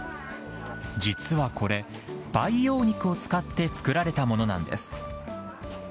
実はこれ、培養肉を使って作られたものなんです。